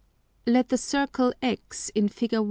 Let the Circle X [in _Fig.